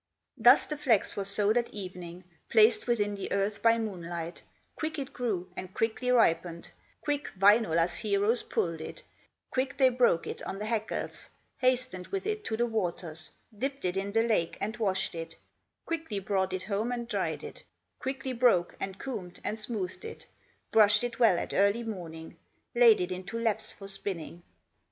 Thus the flax was sowed at evening, Placed within the earth by moonlight; Quick it grew, and quickly ripened, Quick Wainola's heroes pulled it, Quick they broke it on the hackles, Hastened with it to the waters, Dipped it in the lake and washed it; Quickly brought it home and dried it, Quickly broke, and combed, and smoothed it, Brushed it well at early morning, Laid it into laps for spinning.